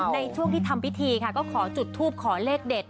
ในช่วงที่ทำพิธีค่ะก็ขอจุดทูปขอเลขเด็ด